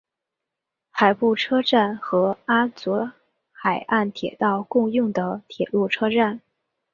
海部车站与阿佐海岸铁道共用的铁路车站。